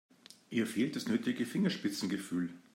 Ihr fehlt das nötige Fingerspitzengefühl.